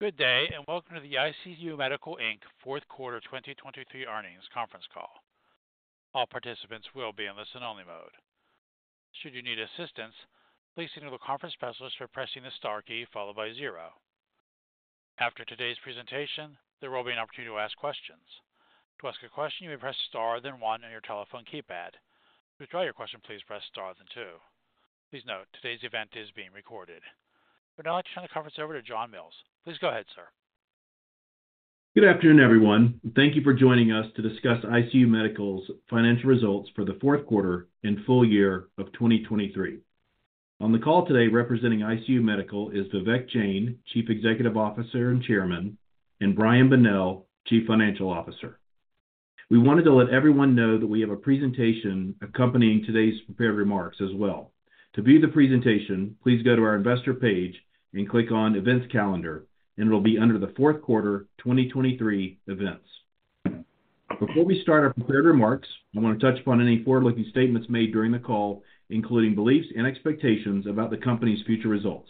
Good day and welcome to the ICU Medical, Inc. Fourth Quarter 2023 Earnings Conference Call. All participants will be in listen-only mode. Should you need assistance, please signal the conference specialist by pressing the star key followed by zero. After today's presentation, there will be an opportunity to ask questions. To ask a question, you may press star then one on your telephone keypad. To withdraw your question, please press star then two. Please note, today's event is being recorded. For now, I'll turn the conference over to John Mills. Please go ahead, sir. Good afternoon, everyone. Thank you for joining us to discuss ICU Medical's financial results for the fourth quarter and full year of 2023. On the call today, representing ICU Medical is Vivek Jain, Chief Executive Officer and Chairman, and Brian Bonnell, Chief Financial Officer. We wanted to let everyone know that we have a presentation accompanying today's prepared remarks as well. To view the presentation, please go to our investor page and click on Events Calendar, and it'll be under the Fourth Quarter 2023 Events. Before we start our prepared remarks, I want to touch upon any forward-looking statements made during the call, including beliefs and expectations about the company's future results.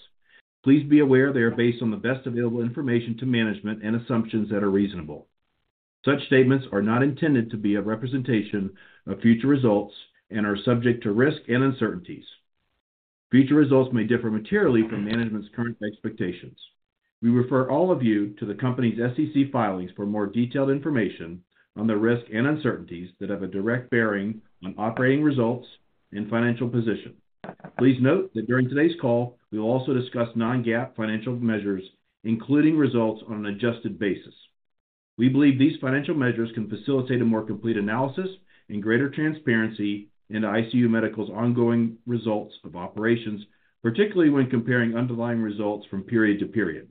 Please be aware they are based on the best available information to management and assumptions that are reasonable. Such statements are not intended to be a representation of future results and are subject to risk and uncertainties. Future results may differ materially from management's current expectations. We refer all of you to the company's SEC filings for more detailed information on the risk and uncertainties that have a direct bearing on operating results and financial position. Please note that during today's call, we will also discuss non-GAAP financial measures, including results on an adjusted basis. We believe these financial measures can facilitate a more complete analysis and greater transparency into ICU Medical's ongoing results of operations, particularly when comparing underlying results from period to period.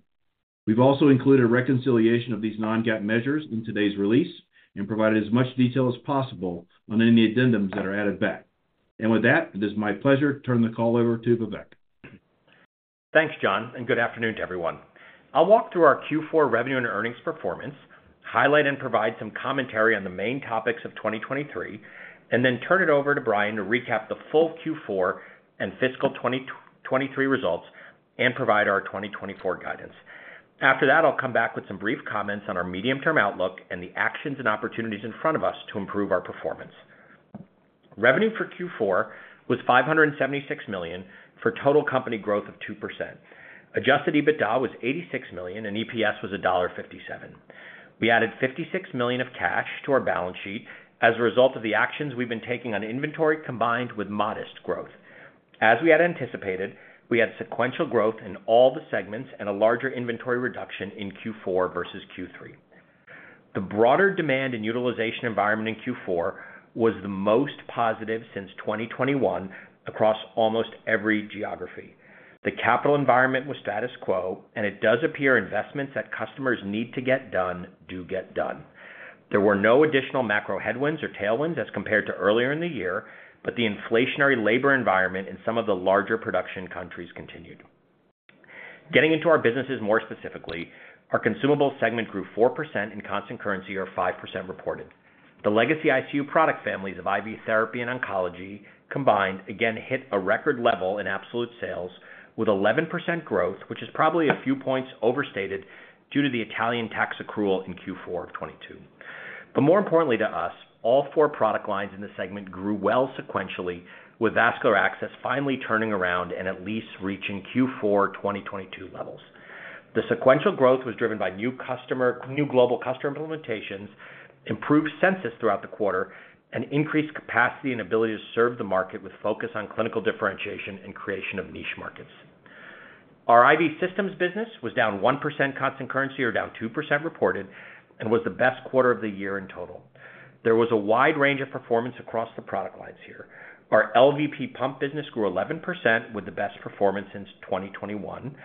We've also included reconciliation of these non-GAAP measures in today's release and provided as much detail as possible on any addendums that are added back. With that, it is my pleasure to turn the call over to Vivek. Thanks, John, and good afternoon to everyone. I'll walk through our Q4 revenue and earnings performance, highlight and provide some commentary on the main topics of 2023, and then turn it over to Brian to recap the full Q4 and fiscal 2023 results and provide our 2024 guidance. After that, I'll come back with some brief comments on our medium-term outlook and the actions and opportunities in front of us to improve our performance. Revenue for Q4 was $576 million for total company growth of 2%. Adjusted EBITDA was $86 million, and EPS was $1.57. We added $56 million of cash to our balance sheet as a result of the actions we've been taking on inventory combined with modest growth. As we had anticipated, we had sequential growth in all the segments and a larger inventory reduction in Q4 versus Q3. The broader demand and utilization environment in Q4 was the most positive since 2021 across almost every geography. The capital environment was status quo, and it does appear investments that customers need to get done do get done. There were no additional macro headwinds or tailwinds as compared to earlier in the year, but the inflationary labor environment in some of the larger production countries continued. Getting into our businesses more specifically, our consumables segment grew 4% in constant currency or 5% reported. The legacy ICU product families of IV therapy and oncology combined, again, hit a record level in absolute sales with 11% growth, which is probably a few points overstated due to the Italian tax accrual in Q4 of 2022. But more importantly to us, all four product lines in the segment grew well sequentially, with vascular access finally turning around and at least reaching Q4 2022 levels. The sequential growth was driven by new global customer implementations, improved census throughout the quarter, and increased capacity and ability to serve the market with focus on clinical differentiation and creation of niche markets. Our IV systems business was down 1% constant currency or down 2% reported and was the best quarter of the year in total. There was a wide range of performance across the product lines here. Our LVP pump business grew 11% with the best performance since 2021.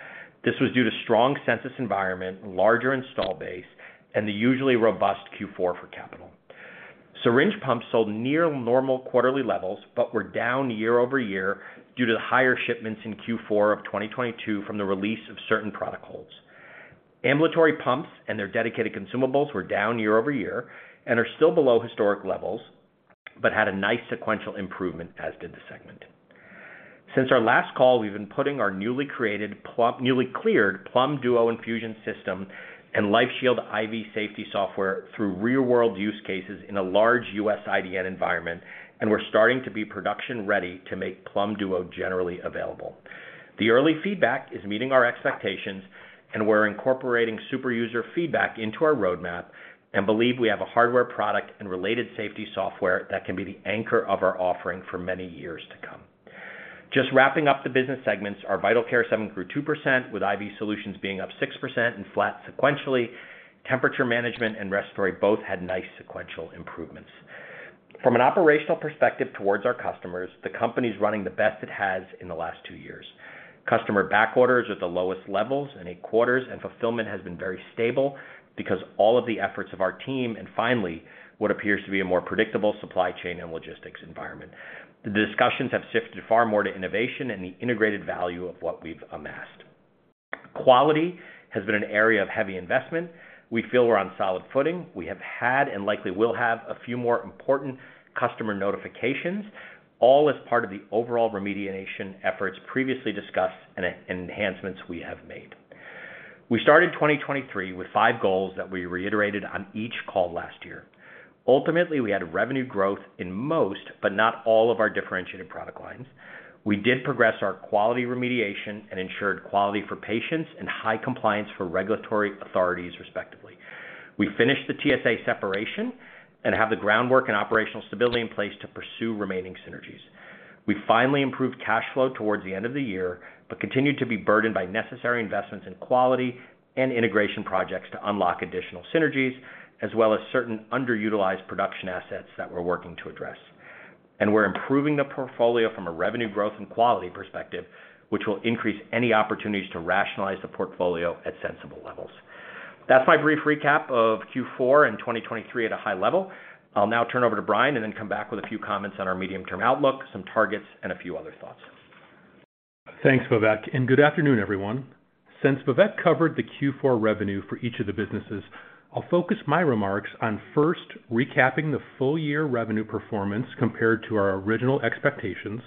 This was due to strong census environment, larger install base, and the usually robust Q4 for capital. Syringe pumps sold near normal quarterly levels but were down year-over-year due to the higher shipments in Q4 of 2022 from the release of certain product holds. Ambulatory pumps and their dedicated consumables were down year-over-year and are still below historic levels but had a nice sequential improvement as did the segment. Since our last call, we've been putting our newly created, newly cleared Plum Duo Infusion System and LifeShield IV safety software through real-world use cases in a large U.S. IDN environment, and we're starting to be production-ready to make Plum Duo generally available. The early feedback is meeting our expectations, and we're incorporating super user feedback into our roadmap and believe we have a hardware product and related safety software that can be the anchor of our offering for many years to come. Just wrapping up the business segments, our Vital Care segment grew 2% with IV solutions being up 6% and flat sequentially. Temperature management and respiratory both had nice sequential improvements. From an operational perspective towards our customers, the company's running the best it has in the last two years. Customer backorders are at the lowest levels in eight quarters, and fulfillment has been very stable because all of the efforts of our team and finally what appears to be a more predictable supply chain and logistics environment. The discussions have shifted far more to innovation and the integrated value of what we've amassed. Quality has been an area of heavy investment. We feel we're on solid footing. We have had and likely will have a few more important customer notifications, all as part of the overall remediation efforts previously discussed and enhancements we have made. We started 2023 with five goals that we reiterated on each call last year. Ultimately, we had revenue growth in most but not all of our differentiated product lines. We did progress our quality remediation and ensured quality for patients and high compliance for regulatory authorities, respectively. We finished the TSA separation and have the groundwork and operational stability in place to pursue remaining synergies. We finally improved cash flow towards the end of the year but continued to be burdened by necessary investments in quality and integration projects to unlock additional synergies as well as certain underutilized production assets that we're working to address. We're improving the portfolio from a revenue growth and quality perspective, which will increase any opportunities to rationalize the portfolio at sensible levels. That's my brief recap of Q4 and 2023 at a high level. I'll now turn over to Brian and then come back with a few comments on our medium-term outlook, some targets, and a few other thoughts. Thanks, Vivek, and good afternoon, everyone. Since Vivek covered the Q4 revenue for each of the businesses, I'll focus my remarks on first, recapping the full-year revenue performance compared to our original expectations.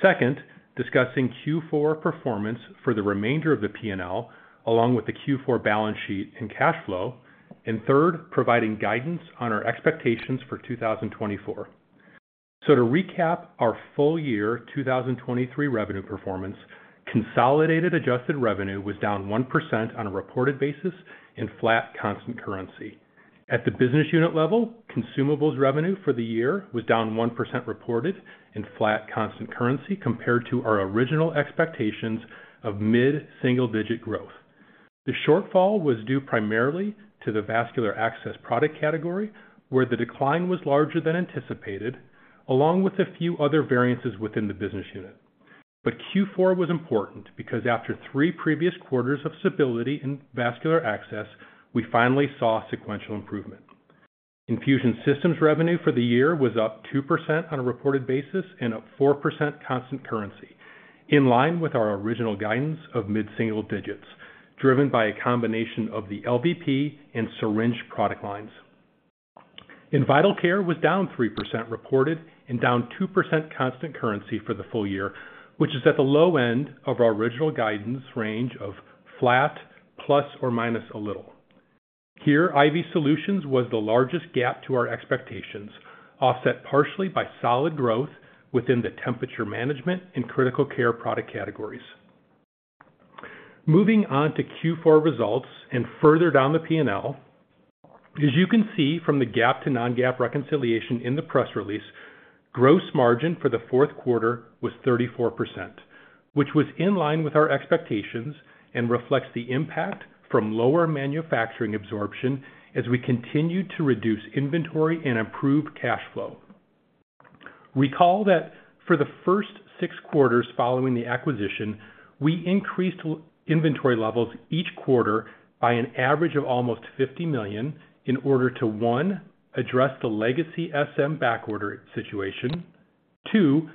Second, discussing Q4 performance for the remainder of the P&L along with the Q4 balance sheet and cash flow. And third, providing guidance on our expectations for 2024. So to recap our full-year 2023 revenue performance, consolidated adjusted revenue was down 1% on a reported basis in flat constant currency. At the business unit level, consumables revenue for the year was down 1% reported in flat constant currency compared to our original expectations of mid-single digit growth. The shortfall was due primarily to the vascular access product category, where the decline was larger than anticipated, along with a few other variances within the business unit. Q4 was important because after three previous quarters of stability in vascular access, we finally saw sequential improvement. Infusion systems revenue for the year was up 2% on a reported basis and up 4% constant currency, in line with our original guidance of mid-single digits, driven by a combination of the LVP and syringe product lines. Vital Care was down 3% reported and down 2% constant currency for the full year, which is at the low end of our original guidance range of flat plus or minus a little. Here, IV solutions was the largest gap to our expectations, offset partially by solid growth within the temperature management and critical care product categories. Moving on to Q4 results and further down the P&L, as you can see from the GAAP to Non-GAAP reconciliation in the press release, gross margin for the fourth quarter was 34%, which was in line with our expectations and reflects the impact from lower manufacturing absorption as we continued to reduce inventory and improve cash flow. Recall that for the first six quarters following the acquisition, we increased inventory levels each quarter by an average of almost $50 million in order to, one, address the legacy SM backorder situation, two,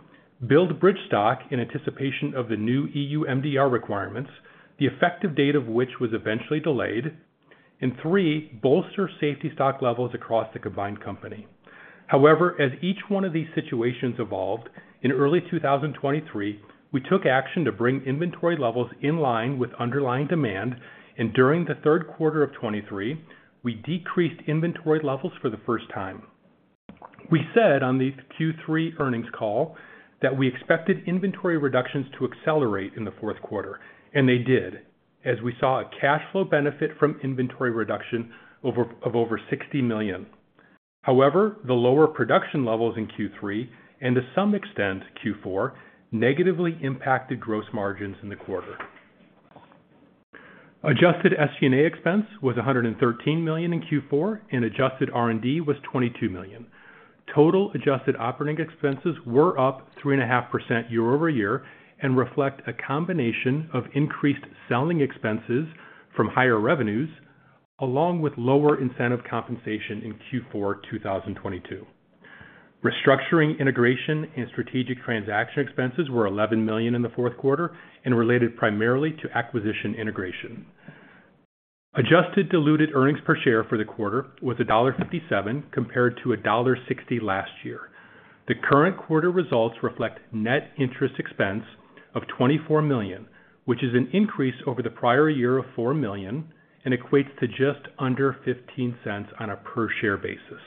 build bridge stock in anticipation of the new EU MDR requirements, the effective date of which was eventually delayed, and three, bolster safety stock levels across the combined company. However, as each one of these situations evolved, in early 2023, we took action to bring inventory levels in line with underlying demand, and during the third quarter of 2023, we decreased inventory levels for the first time. We said on the Q3 earnings call that we expected inventory reductions to accelerate in the fourth quarter, and they did, as we saw a cash flow benefit from inventory reduction of over $60 million. However, the lower production levels in Q3 and, to some extent, Q4 negatively impacted gross margins in the quarter. Adjusted SG&A expense was $113 million in Q4, and adjusted R&D was $22 million. Total adjusted operating expenses were up 3.5% year-over-year and reflect a combination of increased selling expenses from higher revenues along with lower incentive compensation in Q4 2022. Restructuring integration and strategic transaction expenses were $11 million in the fourth quarter and related primarily to acquisition integration. Adjusted diluted earnings per share for the quarter was $1.57 compared to $1.60 last year. The current quarter results reflect net interest expense of $24 million, which is an increase over the prior year of $4 million and equates to just under $0.15 on a per-share basis.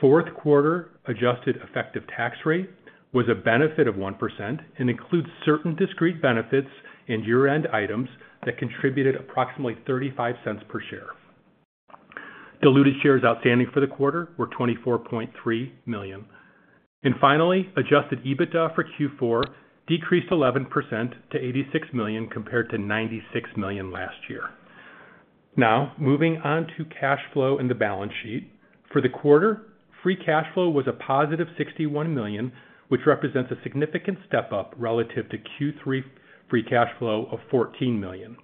Fourth quarter adjusted effective tax rate was a benefit of 1% and includes certain discrete benefits and year-end items that contributed approximately $0.35 per share. Diluted shares outstanding for the quarter were 24.3 million. Finally, adjusted EBITDA for Q4 decreased 11% to $86 million compared to $96 million last year. Now, moving on to cash flow in the balance sheet. For the quarter, free cash flow was a positive $61 million, which represents a significant step up relative to Q3 free cash flow of $14 million.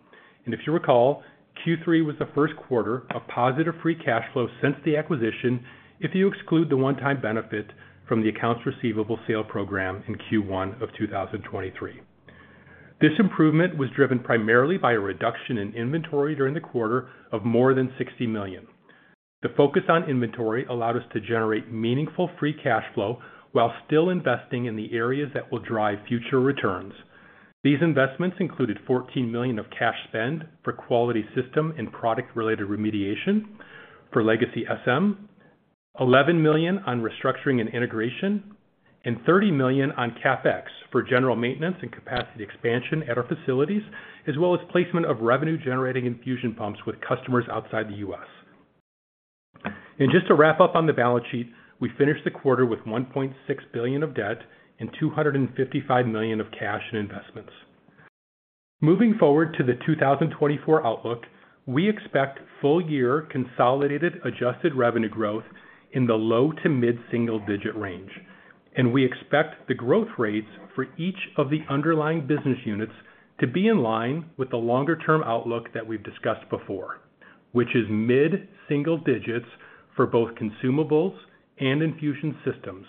If you recall, Q3 was the first quarter of positive free cash flow since the acquisition if you exclude the one-time benefit from the accounts receivable sale program in Q1 of 2023. This improvement was driven primarily by a reduction in inventory during the quarter of more than $60 million. The focus on inventory allowed us to generate meaningful free cash flow while still investing in the areas that will drive future returns. These investments included $14 million of cash spend for quality system and product-related remediation for legacy SM, $11 million on restructuring and integration, and $30 million on CapEx for general maintenance and capacity expansion at our facilities, as well as placement of revenue-generating infusion pumps with customers outside the U.S. Just to wrap up on the balance sheet, we finished the quarter with $1.6 billion of debt and $255 million of cash and investments. Moving forward to the 2024 outlook, we expect full-year consolidated adjusted revenue growth in the low to mid-single digit range, and we expect the growth rates for each of the underlying business units to be in line with the longer-term outlook that we've discussed before, which is mid-single digits for both consumables and infusion systems,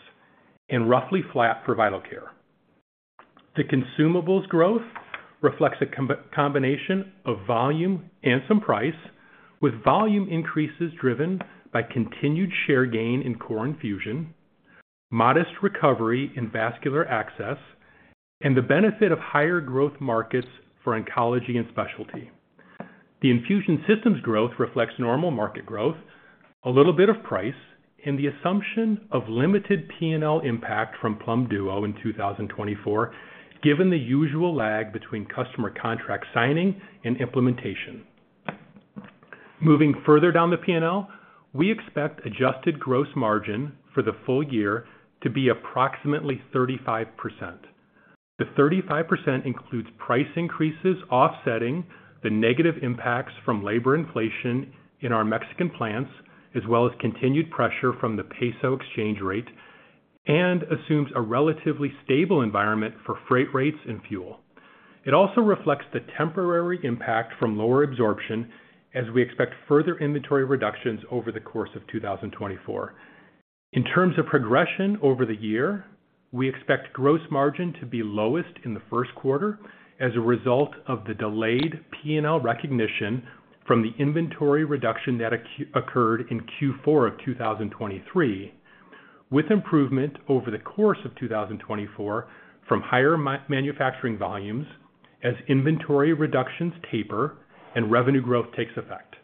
and roughly flat for VitalCare. The consumables growth reflects a combination of volume and some price, with volume increases driven by continued share gain in core infusion, modest recovery in vascular access, and the benefit of higher growth markets for oncology and specialty. The infusion systems growth reflects normal market growth, a little bit of price, and the assumption of limited P&L impact from Plum Duo in 2024 given the usual lag between customer contract signing and implementation. Moving further down the P&L, we expect adjusted gross margin for the full year to be approximately 35%. The 35% includes price increases offsetting the negative impacts from labor inflation in our Mexican plants, as well as continued pressure from the peso exchange rate, and assumes a relatively stable environment for freight rates and fuel. It also reflects the temporary impact from lower absorption as we expect further inventory reductions over the course of 2024. In terms of progression over the year, we expect gross margin to be lowest in the first quarter as a result of the delayed P&L recognition from the inventory reduction that occurred in Q4 of 2023, with improvement over the course of 2024 from higher manufacturing volumes as inventory reductions taper and revenue growth takes effect.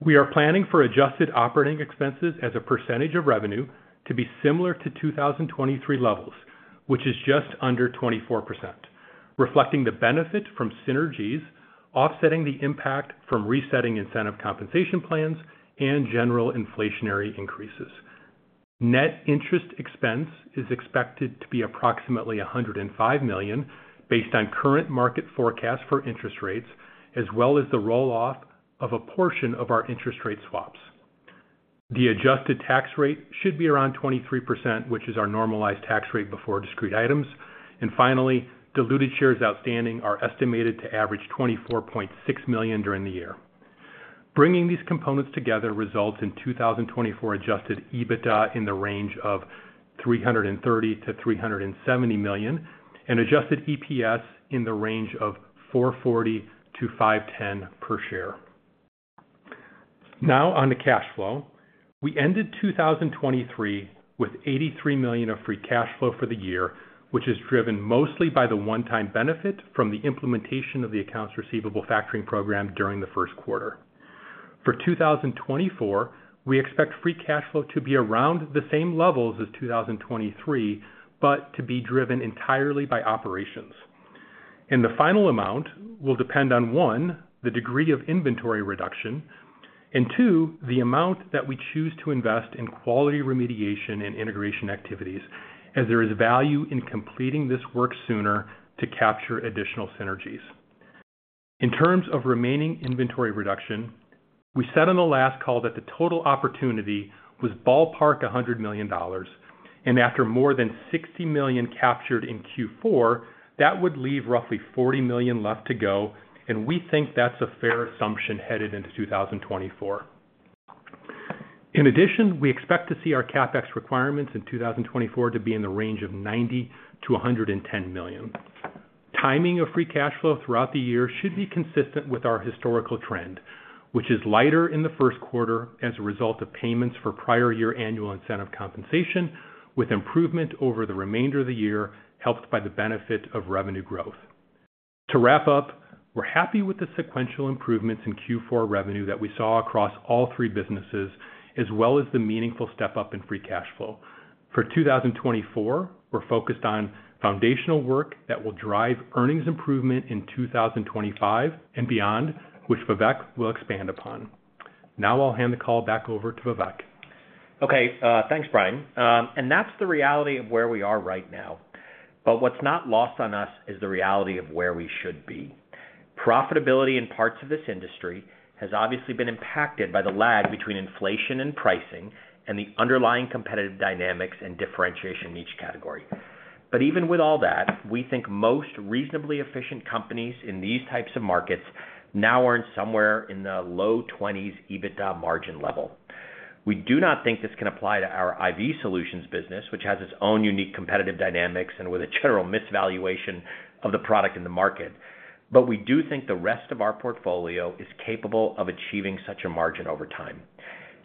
We are planning for adjusted operating expenses as a percentage of revenue to be similar to 2023 levels, which is just under 24%, reflecting the benefit from synergies, offsetting the impact from resetting incentive compensation plans and general inflationary increases. Net interest expense is expected to be approximately $105 million based on current market forecast for interest rates, as well as the roll-off of a portion of our interest rate swaps. The adjusted tax rate should be around 23%, which is our normalized tax rate before discrete items. Finally, diluted shares outstanding are estimated to average 24.6 million during the year. Bringing these components together results in 2024 adjusted EBITDA in the range of $330 million-$370 million and adjusted EPS in the range of $4.40-$5.10 per share. Now on to cash flow. We ended 2023 with $83 million of free cash flow for the year, which is driven mostly by the one-time benefit from the implementation of the accounts receivable factoring program during the first quarter. For 2024, we expect free cash flow to be around the same levels as 2023, but to be driven entirely by operations. And the final amount will depend on, one, the degree of inventory reduction, and two, the amount that we choose to invest in quality remediation and integration activities, as there is value in completing this work sooner to capture additional synergies. In terms of remaining inventory reduction, we said on the last call that the total opportunity was ballpark $100 million, and after more than $60 million captured in Q4, that would leave roughly $40 million left to go, and we think that's a fair assumption headed into 2024. In addition, we expect to see our CapEx requirements in 2024 to be in the range of $90 million-$110 million. Timing of free cash flow throughout the year should be consistent with our historical trend, which is lighter in the first quarter as a result of payments for prior year annual incentive compensation, with improvement over the remainder of the year helped by the benefit of revenue growth. To wrap up, we're happy with the sequential improvements in Q4 revenue that we saw across all three businesses, as well as the meaningful step up in free cash flow. For 2024, we're focused on foundational work that will drive earnings improvement in 2025 and beyond, which Vivek will expand upon. Now I'll hand the call back over to Vivek. Okay, thanks, Brian. That's the reality of where we are right now. But what's not lost on us is the reality of where we should be. Profitability in parts of this industry has obviously been impacted by the lag between inflation and pricing and the underlying competitive dynamics and differentiation in each category. But even with all that, we think most reasonably efficient companies in these types of markets now earn somewhere in the low 20s EBITDA margin level. We do not think this can apply to our IV solutions business, which has its own unique competitive dynamics and with a general misvaluation of the product in the market. But we do think the rest of our portfolio is capable of achieving such a margin over time.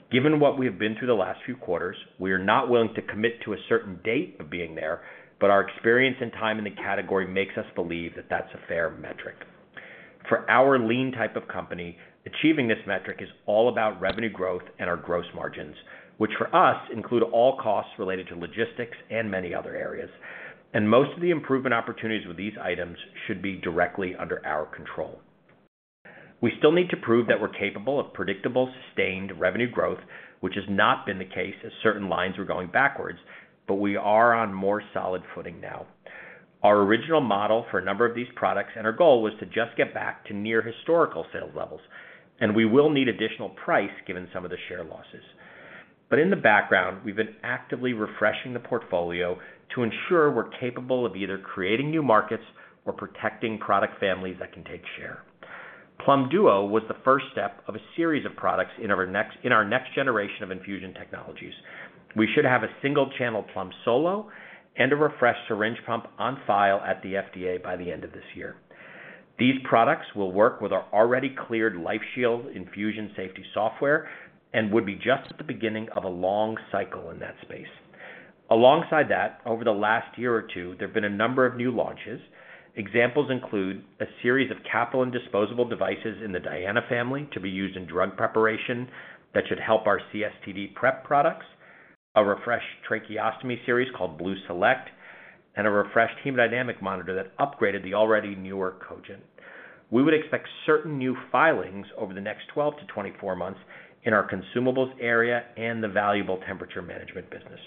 Given what we have been through the last few quarters, we are not willing to commit to a certain date of being there, but our experience and time in the category makes us believe that that's a fair metric. For our lean type of company, achieving this metric is all about revenue growth and our gross margins, which for us include all costs related to logistics and many other areas, and most of the improvement opportunities with these items should be directly under our control. We still need to prove that we're capable of predictable, sustained revenue growth, which has not been the case as certain lines were going backwards, but we are on more solid footing now. Our original model for a number of these products and our goal was to just get back to near-historical sales levels, and we will need additional price given some of the share losses. But in the background, we've been actively refreshing the portfolio to ensure we're capable of either creating new markets or protecting product families that can take share. Plum Duo was the first step of a series of products in our next generation of infusion technologies. We should have a single-channel Plum Solo and a refreshed syringe pump on file at the FDA by the end of this year. These products will work with our already cleared LifeShield infusion safety software and would be just at the beginning of a long cycle in that space. Alongside that, over the last year or two, there have been a number of new launches. Examples include a series of capital and disposable devices in the Diana family to be used in drug preparation that should help our CSTD prep products, a refreshed tracheostomy series called Blue Select, and a refreshed hemodynamic monitor that upgraded the already newer Cogent. We would expect certain new filings over the next 12-24 months in our consumables area and the valuable temperature management business.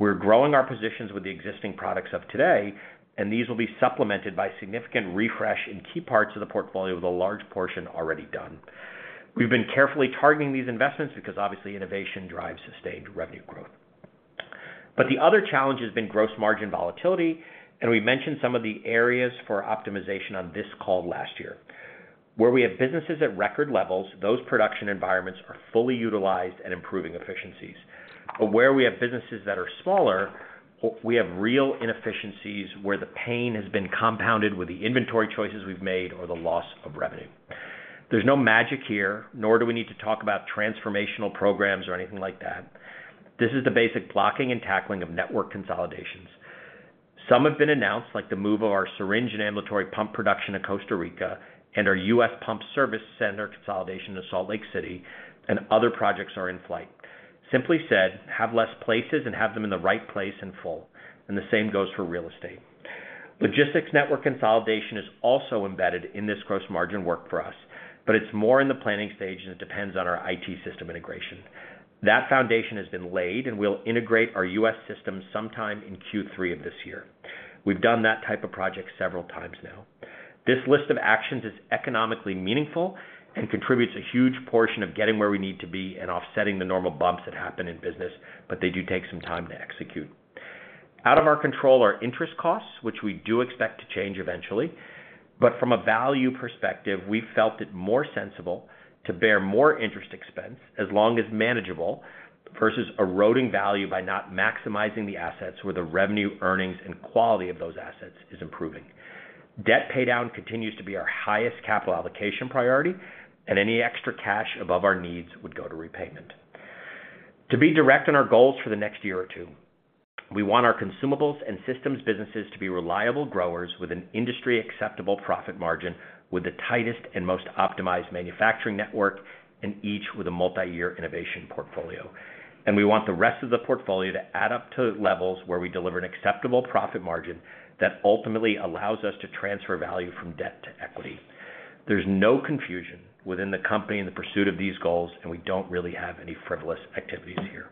We're growing our positions with the existing products of today, and these will be supplemented by significant refresh in key parts of the portfolio with a large portion already done. We've been carefully targeting these investments because obviously innovation drives sustained revenue growth. But the other challenge has been gross margin volatility, and we mentioned some of the areas for optimization on this call last year. Where we have businesses at record levels, those production environments are fully utilized and improving efficiencies. But where we have businesses that are smaller, we have real inefficiencies where the pain has been compounded with the inventory choices we've made or the loss of revenue. There's no magic here, nor do we need to talk about transformational programs or anything like that. This is the basic blocking and tackling of network consolidations. Some have been announced, like the move of our syringe and ambulatory pump production in Costa Rica and our U.S. Pump Service Center consolidation in Salt Lake City, and other projects are in flight. Simply said, have less places and have them in the right place and full. And the same goes for real estate. Logistics network consolidation is also embedded in this gross margin work for us, but it's more in the planning stage and it depends on our IT system integration. That foundation has been laid, and we'll integrate our U.S. systems sometime in Q3 of this year. We've done that type of project several times now. This list of actions is economically meaningful and contributes a huge portion of getting where we need to be and offsetting the normal bumps that happen in business, but they do take some time to execute. Out of our control are interest costs, which we do expect to change eventually, but from a value perspective, we've felt it more sensible to bear more interest expense as long as manageable versus eroding value by not maximizing the assets where the revenue, earnings, and quality of those assets is improving. Debt paydown continues to be our highest capital allocation priority, and any extra cash above our needs would go to repayment. To be direct on our goals for the next year or two, we want our consumables and systems businesses to be reliable growers with an industry-acceptable profit margin with the tightest and most optimized manufacturing network and each with a multi-year innovation portfolio. We want the rest of the portfolio to add up to levels where we deliver an acceptable profit margin that ultimately allows us to transfer value from debt to equity. There's no confusion within the company in the pursuit of these goals, and we don't really have any frivolous activities here.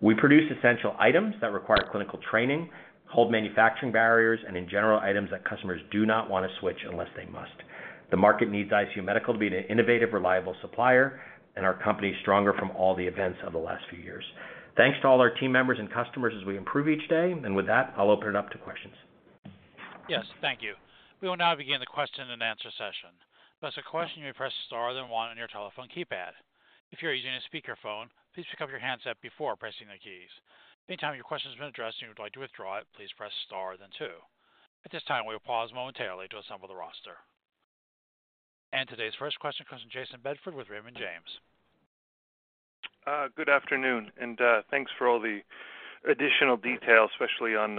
We produce essential items that require clinical training, hold manufacturing barriers, and in general, items that customers do not want to switch unless they must. The market needs ICU Medical to be an innovative, reliable supplier, and our company is stronger from all the events of the last few years. Thanks to all our team members and customers as we improve each day, and with that, I'll open it up to questions. Yes, thank you. We will now begin the question and answer session. If that's a question, you may press star then one on your telephone keypad. If you're using a speakerphone, please pick up your handset before pressing the keys. Anytime your question has been addressed and you would like to withdraw it, please press star then two. At this time, we will pause momentarily to assemble the roster. Today's first question comes from Jayson Bedford with Raymond James. Good afternoon, and thanks for all the additional detail, especially on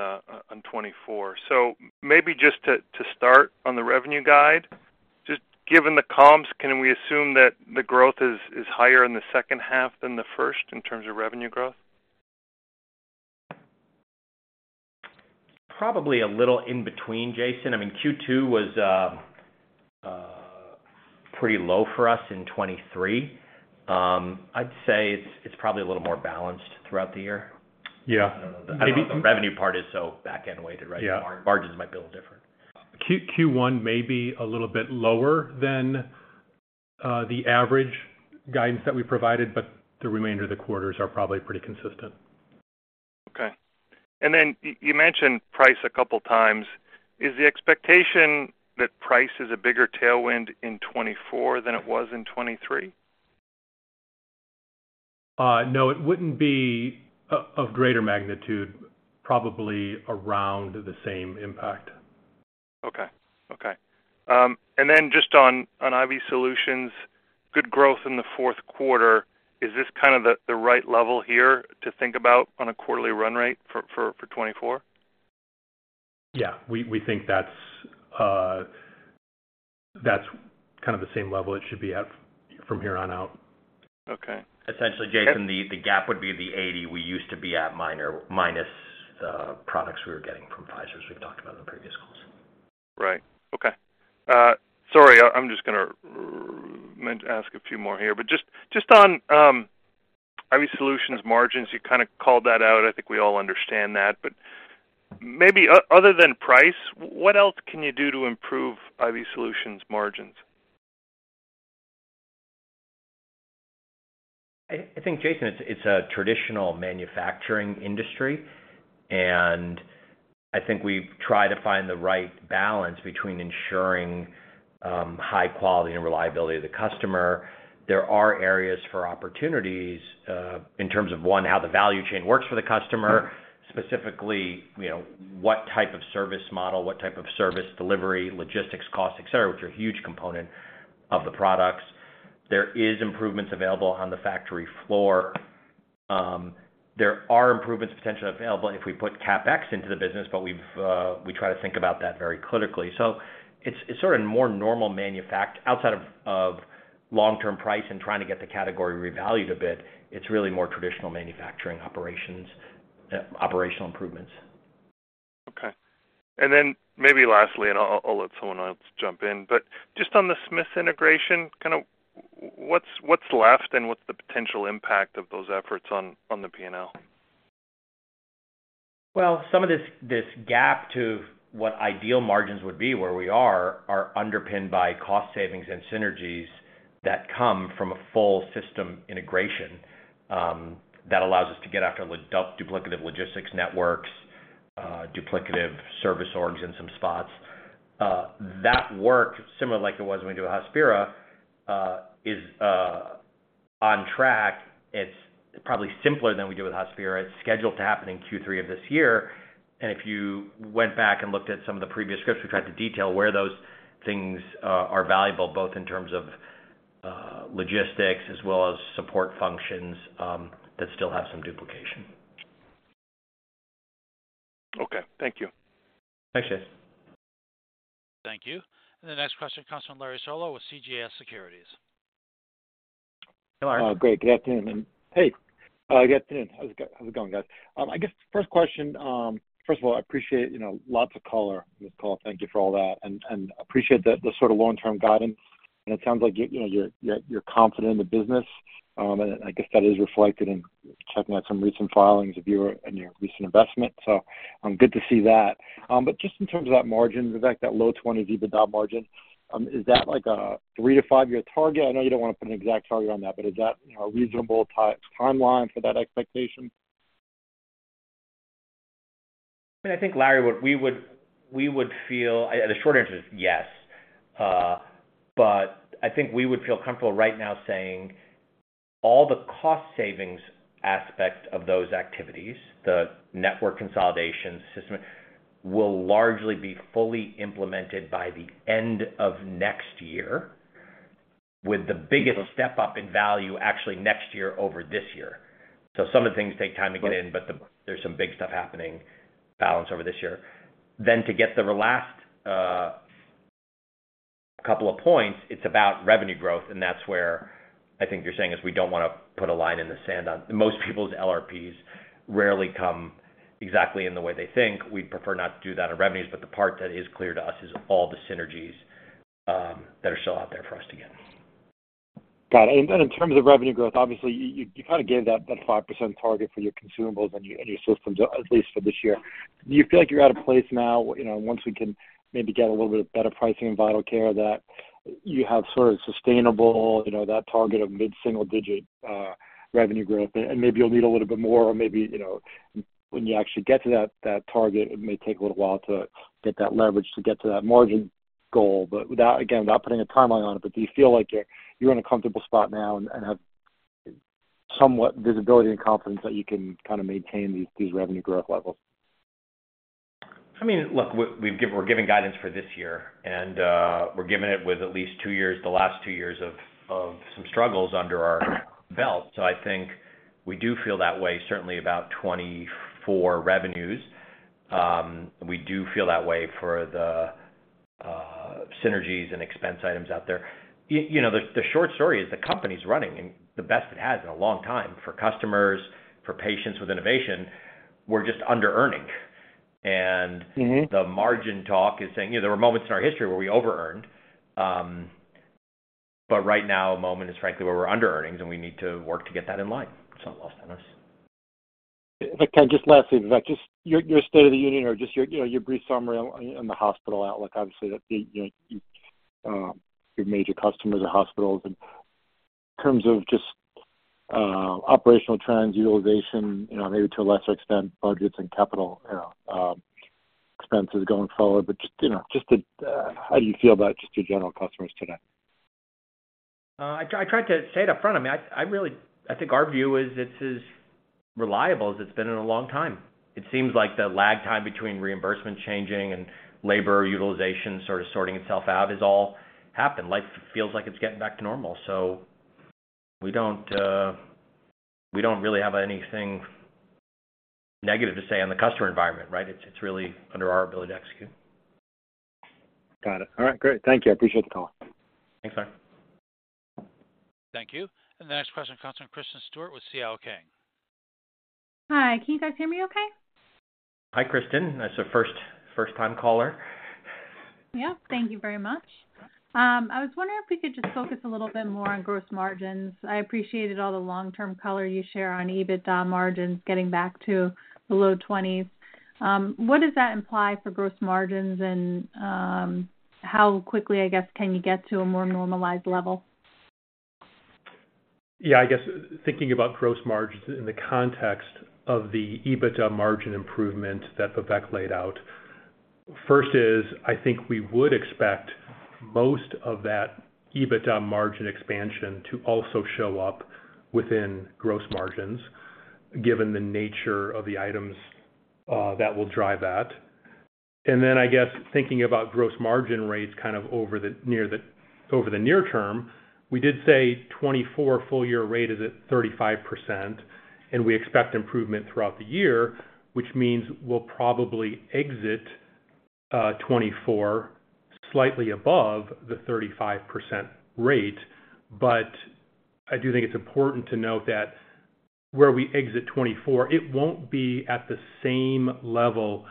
2024. So maybe just to start on the revenue guide, just given the comps, can we assume that the growth is higher in the second half than the first in terms of revenue growth? Probably a little in between, Jayson. I mean, Q2 was pretty low for us in 2023. I'd say it's probably a little more balanced throughout the year. I don't know that the revenue part is so back-end weighted, right? Margins might be a little different. Q1 may be a little bit lower than the average guidance that we provided, but the remainder of the quarters are probably pretty consistent. Okay. And then you mentioned price a couple of times. Is the expectation that price is a bigger tailwind in 2024 than it was in 2023? No, it wouldn't be of greater magnitude, probably around the same impact. Okay. Okay. And then just on IV solutions, good growth in the fourth quarter. Is this kind of the right level here to think about on a quarterly run rate for 2024? Yeah, we think that's kind of the same level it should be at from here on out. Essentially, Jayson, the gap would be the $80. We used to be at minus the products we were getting from Pfizer, as we've talked about in the previous calls. Right. Okay. Sorry, I'm just going to ask a few more here. But just on IV solutions margins, you kind of called that out. I think we all understand that. But maybe other than price, what else can you do to improve IV solutions margins? I think, Jayson, it's a traditional manufacturing industry, and I think we've tried to find the right balance between ensuring high quality and reliability of the customer. There are areas for opportunities in terms of, one, how the value chain works for the customer, specifically what type of service model, what type of service delivery, logistics costs, etc., which are a huge component of the products. There is improvements available on the factory floor. There are improvements potentially available if we put CapEx into the business, but we try to think about that very critically. So it's sort of more normal outside of long-term price and trying to get the category revalued a bit, it's really more traditional manufacturing operational improvements. Okay. And then maybe lastly, and I'll let someone else jump in, but just on the Smiths integration, kind of what's left and what's the potential impact of those efforts on the P&L? Well, some of this gap to what ideal margins would be, where we are, are underpinned by cost savings and synergies that come from a full system integration that allows us to get after duplicative logistics networks, duplicative service orgs in some spots. That work, similar to like it was when we do with Hospira, is on track. It's probably simpler than we do with Hospira. It's scheduled to happen in Q3 of this year. And if you went back and looked at some of the previous scripts, we tried to detail where those things are valuable, both in terms of logistics as well as support functions that still have some duplication. Okay. Thank you. Thanks, Jayson. Thank you. And the next question, Larry Solow with CJS Securities. Hey, Larry. Great. Good afternoon. Hey, good afternoon. How's it going, guys? I guess first question, first of all, I appreciate lots of callers on this call. Thank you for all that. And I appreciate the sort of long-term guidance. And it sounds like you're confident in the business, and I guess that is reflected in checking out some recent filings of you and your recent investment. So good to see that. But just in terms of that margin, the fact that low-20s EBITDA margin, is that a three to five-year target? I know you don't want to put an exact target on that, but is that a reasonable timeline for that expectation? I mean, I think, Larry, what we would feel the short answer is yes. But I think we would feel comfortable right now saying all the cost savings aspect of those activities, the network consolidation system, will largely be fully implemented by the end of next year with the biggest step up in value actually next year over this year. So some of the things take time to get in, but there's some big stuff happening balanced over this year. Then to get to the last couple of points, it's about revenue growth, and that's where I think you're saying is we don't want to put a line in the sand on most people's LRPs, rarely come exactly in the way they think. We'd prefer not to do that on revenues, but the part that is clear to us is all the synergies that are still out there for us to get. Got it. And then in terms of revenue growth, obviously, you kind of gave that 5% target for your consumables and your systems, at least for this year. Do you feel like you're at a place now once we can maybe get a little bit of better pricing in vital care that you have sort of sustainable that target of mid-single-digit revenue growth? And maybe you'll need a little bit more, or maybe when you actually get to that target, it may take a little while to get that leverage to get to that margin goal. But again, without putting a timeline on it, but do you feel like you're in a comfortable spot now and have somewhat visibility and confidence that you can kind of maintain these revenue growth levels? I mean, look, we're giving guidance for this year, and we're giving it with at least two years, the last two years of some struggles under our belt. So I think we do feel that way, certainly about 2024 revenues. We do feel that way for the synergies and expense items out there. The short story is the company's running, and the best it has in a long time for customers, for patients with innovation, we're just under-earning. And the margin talk is saying there were moments in our history where we over-earned, but right now, a moment is, frankly, where we're under-earnings and we need to work to get that in line. It's not lost on us. Just lastly, your state of the union or just your brief summary on the hospital outlook, obviously, your major customers are hospitals. In terms of just operational trends, utilization, maybe to a lesser extent, budgets and capital expenses going forward, but just how do you feel about just your general customers today? I tried to say it upfront. I mean, I think our view is it's as reliable as it's been in a long time. It seems like the lag time between reimbursement changing and labor utilization sort of sorting itself out has all happened. Life feels like it's getting back to normal. So we don't really have anything negative to say on the customer environment, right? It's really under our ability to execute. Got it. All right. Great. Thank you. I appreciate the call. Thanks, Larry. Thank you. And the next question comes from Kristen Stewart with CL King. Hi. Can you guys hear me okay? Hi, Kristen. That's a first-time caller. Yep. Thank you very much. I was wondering if we could just focus a little bit more on gross margins. I appreciated all the long-term color you share on EBITDA margins getting back to the low 20s%. What does that imply for gross margins and how quickly, I guess, can you get to a more normalized level? Yeah, I guess thinking about gross margins in the context of the EBITDA margin improvement that Vivek laid out, first is I think we would expect most of that EBITDA margin expansion to also show up within gross margins given the nature of the items that will drive that. And then I guess thinking about gross margin rates kind of over the near term, we did say 2024 full-year rate is at 35%, and we expect improvement throughout the year, which means we'll probably exit 2024 slightly above the 35% rate. I do think it's important to note that where we exit 2024, it won't be at the same level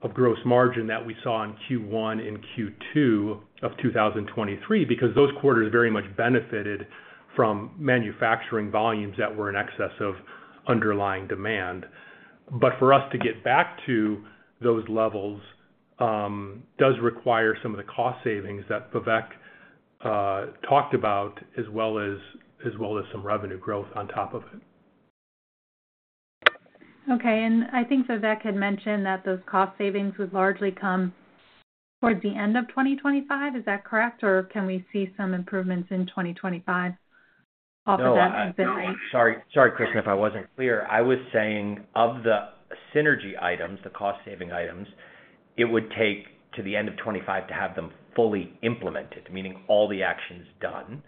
of gross margin that we saw in Q1 and Q2 of 2023 because those quarters very much benefited from manufacturing volumes that were in excess of underlying demand. But for us to get back to those levels does require some of the cost savings that Vivek talked about as well as some revenue growth on top of it. Okay. And I think Vivek had mentioned that those cost savings would largely come towards the end of 2025. Is that correct, or can we see some improvements in 2025 off of that exit rate? Sorry, Kristen, if I wasn't clear. I was saying of the synergy items, the cost-saving items, it would take to the end of 2025 to have them fully implemented, meaning all the action is done.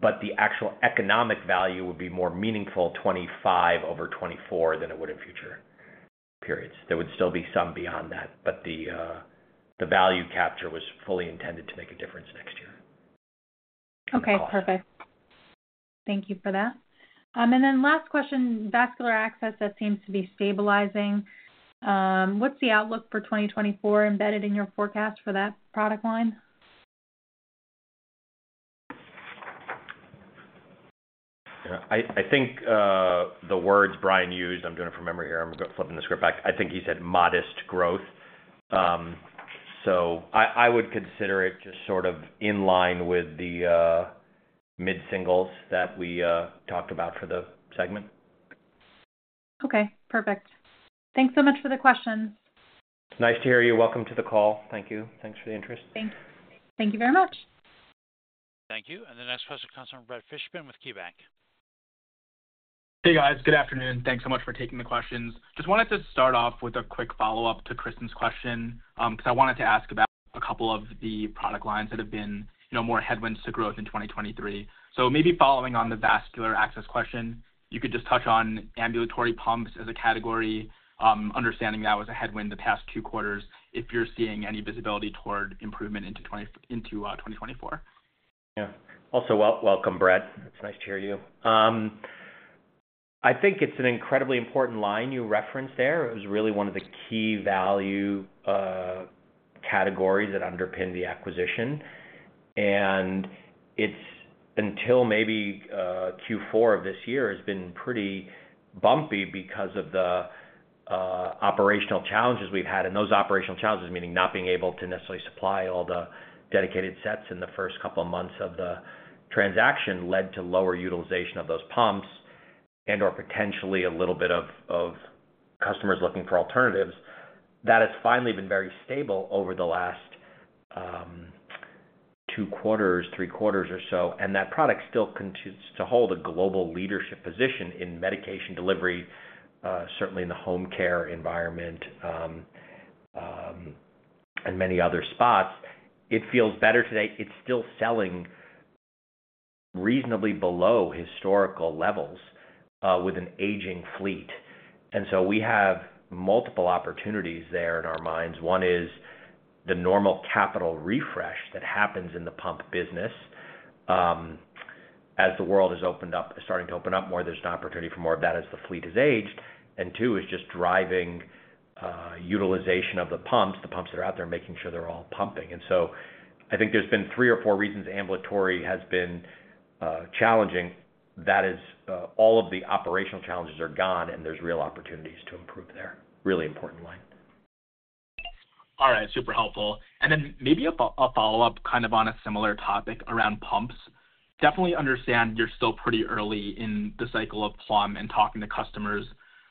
But the actual economic value would be more meaningful 2025 over 2024 than it would in future periods. There would still be some beyond that, but the value capture was fully intended to make a difference next year on cost. Okay. Perfect. Thank you for that. And then last question, vascular access that seems to be stabilizing. What's the outlook for 2024 embedded in your forecast for that product line? I think the words Brian used, I'm doing it from memory here. I'm flipping the script back. I think he said modest growth. So I would consider it just sort of in line with the mid-singles that we talked about for the segment. Okay. Perfect. Thanks so much for the questions. Nice to hear you. Welcome to the call. Thank you. Thanks for the interest. Thank you. Thank you very much. Thank you. And the next question from Brett Fishman with KeyBanc. Hey, guys. Good afternoon. Thanks so much for taking the questions. Just wanted to start off with a quick follow-up to Kristen's question because I wanted to ask about a couple of the product lines that have been more headwinds to growth in 2023. So maybe following on the vascular access question, you could just touch on ambulatory pumps as a category, understanding that was a headwind the past two quarters, if you're seeing any visibility toward improvement into 2024. Yeah. Also, welcome, Brett. It's nice to hear you. I think it's an incredibly important line you referenced there. It was really one of the key value categories that underpinned the acquisition. And until maybe Q4 of this year, it's been pretty bumpy because of the operational challenges we've had. And those operational challenges, meaning not being able to necessarily supply all the dedicated sets in the first couple of months of the transaction, led to lower utilization of those pumps and/or potentially a little bit of customers looking for alternatives. That has finally been very stable over the last two quarters, three quarters or so. And that product still continues to hold a global leadership position in medication delivery, certainly in the home care environment, and many other spots. It feels better today. It's still selling reasonably below historical levels with an aging fleet. And so we have multiple opportunities there in our minds. One is the normal capital refresh that happens in the pump business as the world is starting to open up more. There's an opportunity for more of that as the fleet is aged. And two is just driving utilization of the pumps, the pumps that are out there, making sure they're all pumping. And so I think there's been three or four reasons ambulatory has been challenging. That is all of the operational challenges are gone, and there's real opportunities to improve there. Really important line. All right. Super helpful. And then maybe a follow-up kind of on a similar topic around pumps. Definitely understand you're still pretty early in the cycle of Plum and talking to customers,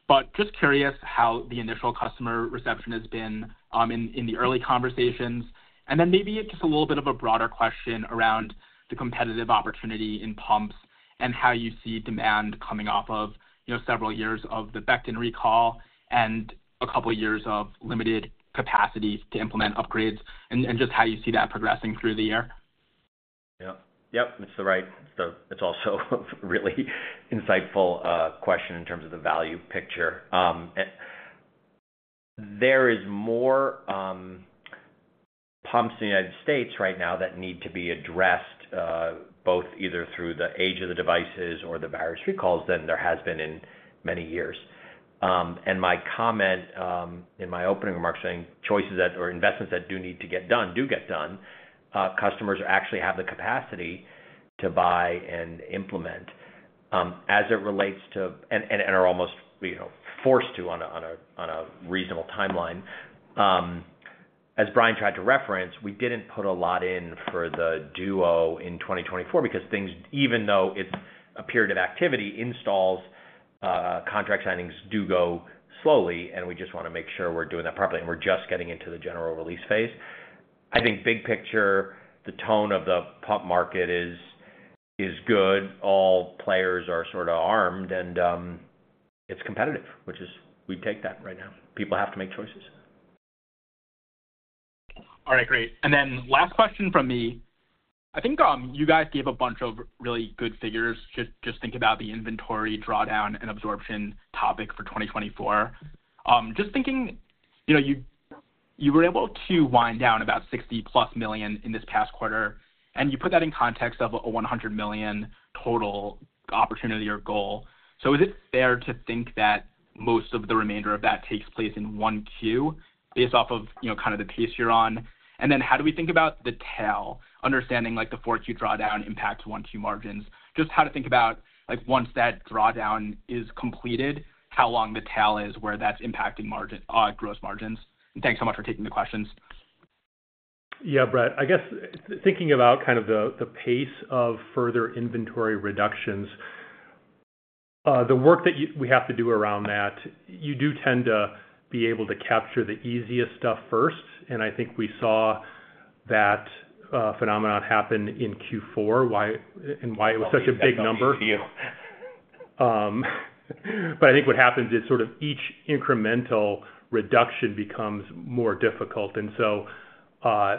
but just curious how the initial customer reception has been in the early conversations. And then maybe just a little bit of a broader question around the competitive opportunity in pumps and how you see demand coming off of several years of the Becton recall and a couple of years of limited capacity to implement upgrades and just how you see that progressing through the year. Yep. Yep. It's the right. It's also a really insightful question in terms of the value picture. There is more pumps in the United States right now that need to be addressed both either through the age of the devices or the various recalls than there has been in many years. And my comment in my opening remarks saying choices or investments that do need to get done do get done. Customers actually have the capacity to buy and implement as it relates to and are almost forced to on a reasonable timeline. As Brian tried to reference, we didn't put a lot in for the Duo in 2024 because even though it's a period of activity, installs, contract signings do go slowly, and we just want to make sure we're doing that properly, and we're just getting into the general release phase. I think big picture, the tone of the pump market is good. All players are sort of armed, and it's competitive, which is we take that right now. People have to make choices. All right. Great. And then last question from me. I think you guys gave a bunch of really good figures. Just think about the inventory drawdown and absorption topic for 2024. Just thinking you were able to wind down about $60+ million in this past quarter, and you put that in context of a $100 million total opportunity or goal. So is it fair to think that most of the remainder of that takes place in 1Q based off of kind of the pace you're on? And then how do we think about the tail, understanding the 4Q drawdown impacts 1Q margins, just how to think about once that drawdown is completed, how long the tail is, where that's impacting gross margins? And thanks so much for taking the questions. Yeah, Brett. I guess thinking about kind of the pace of further inventory reductions, the work that we have to do around that, you do tend to be able to capture the easiest stuff first. And I think we saw that phenomenon happen in Q4 and why it was such a big number. But I think what happens is sort of each incremental reduction becomes more difficult. And so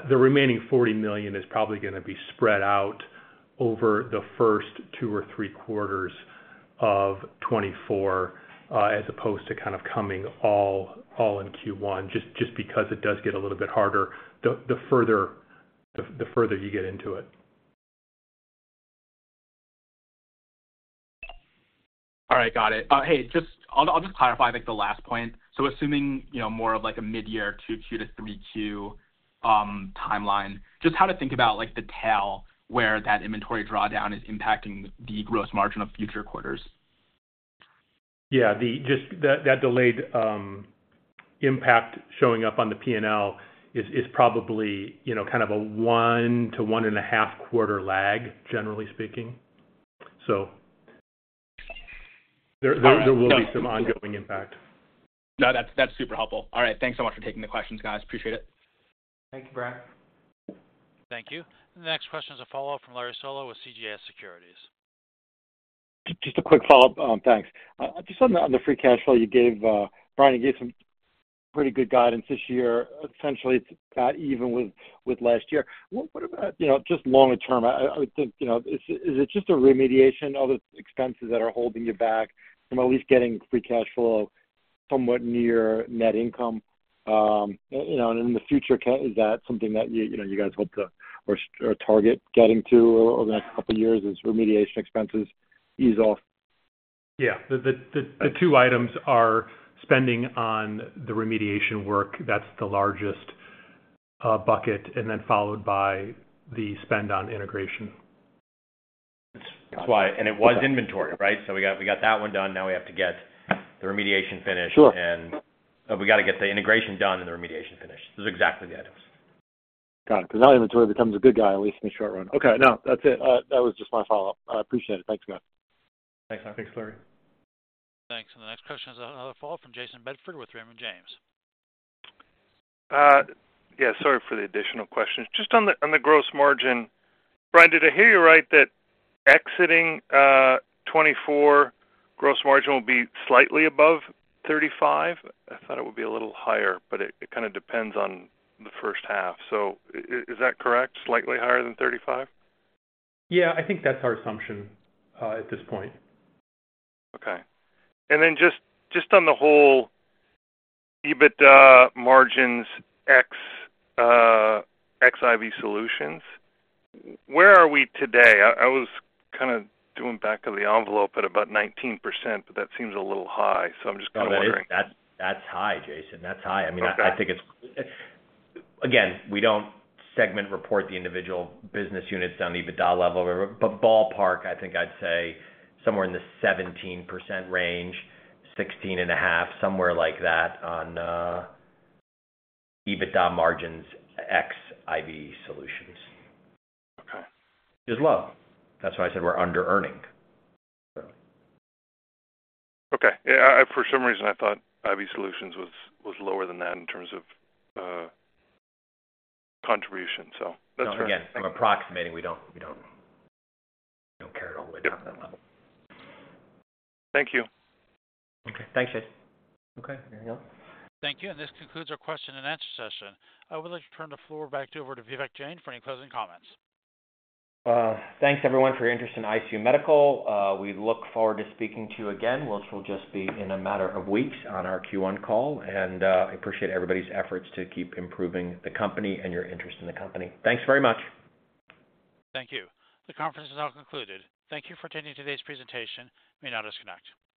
the remaining $40 million is probably going to be spread out over the first two or three quarters of 2024 as opposed to kind of coming all in Q1 just because it does get a little bit harder the further you get into it. All right. Got it. Hey, I'll just clarify the last point. So assuming more of a mid-year 2Q to 3Q timeline, just how to think about the tail where that inventory drawdown is impacting the gross margin of future quarters. Yeah. Just that delayed impact showing up on the P&L is probably kind of a 1-1.5 quarter lag, generally speaking. So there will be some ongoing impact. No, that's super helpful. All right. Thanks so much for taking the questions, guys. Appreciate it. Thank you, Brett. Thank you. The next question is a follow-up from Larry Solo with CJS Securities. Just a quick follow-up. Thanks. Just on the free cash flow, Brian, you gave some pretty good guidance this year. Essentially, it's about even with last year. What about just longer term? I would think is it just a remediation of the expenses that are holding you back from at least getting free cash flow somewhat near net income? And in the future, is that something that you guys hope to or target getting to over the next couple of years as remediation expenses ease off? Yeah. The two items are spending on the remediation work. That's the largest bucket, and then followed by the spend on integration. That's why. And it was inventory, right? So we got that one done. Now we have to get the remediation finished. We got to get the integration done and the remediation finished. Those are exactly the items. Got it. Because now inventory becomes a good guy, at least in the short run. Okay. No, that's it. That was just my follow-up. I appreciate it. Thanks, man. Thanks, Larry. Thanks. And the next question is another follow-up from Jayson Bedford with Raymond James. Yeah. Sorry for the additional questions. Just on the gross margin, Brian, did I hear you right that exiting 2024 gross margin will be slightly above 35%? I thought it would be a little higher, but it kind of depends on the first half. So is that correct, slightly higher than 35%? Yeah. I think that's our assumption at this point. Okay. And then just on the whole EBITDA margins IV Solutions, where are we today? I was kind of doing back of the envelope at about 19%, but that seems a little high. So I'm just kind of wondering. That's high, Jayson. That's high. I mean, I think it's again, we don't segment report the individual business units on EBITDA level, but ballpark, I think I'd say somewhere in the 17% range, 16.5, somewhere like that on EBITDA margins IV Solutions. It's low. That's why I said we're under-earning, really. Okay. For some reason, I thought IV Solutions was lower than that in terms of contribution. So that's fair. No, again, I'm approximating. We don't care at all when you're at that level. Thank you. Okay. Thanks, Jayson. Okay. Anything else? Thank you. And this concludes our question and answer session. I would like to turn the floor back over to Vivek Jain for any closing comments. Thanks, everyone, for your interest in ICU Medical. We look forward to speaking to you again, which will just be in a matter of weeks on our Q1 call. I appreciate everybody's efforts to keep improving the company and your interest in the company. Thanks very much. Thank you. The conference is now concluded. Thank you for attending today's presentation. You may now disconnect.